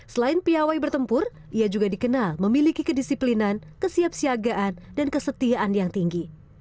selain piawai bertempur ia juga dikenal memiliki kedisiplinan kesiapsiagaan dan kesetiaan yang tinggi